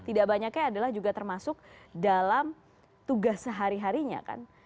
tidak banyaknya adalah juga termasuk dalam tugas sehari harinya kan